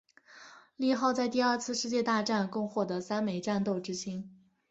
利号在第二次世界大战共获得三枚战斗之星。